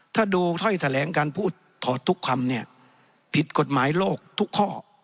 ถ้าดูถ้อยแถลงการพูดถอดทุกคำเนี่ยผิดกฎหมายโลกทุกข้อ